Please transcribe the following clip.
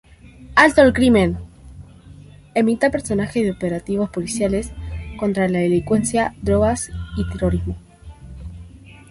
Alto al crimen emitía reportajes de operativos policiales contra la delincuencia, drogas y terrorismo.